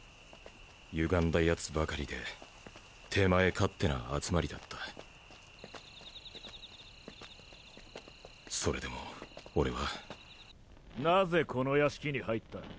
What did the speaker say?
歪んだ奴ばかりで手前勝手な集まりだったそれでも俺はなぜこの屋敷に入った？